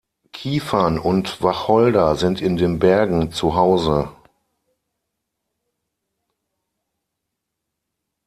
Kiefern und Wacholder sind in den Bergen zu Hause.